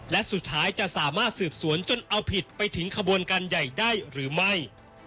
และสุดท้ายจะสามารถสืบสวนจนเอาผิดไปถึงขบวนการใหญ่ได้หรือไม่